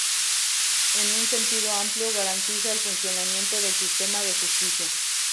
En un sentido amplio garantiza el funcionamiento del sistema de justicia.